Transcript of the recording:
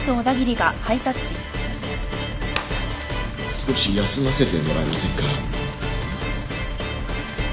少し休ませてもらえませんか？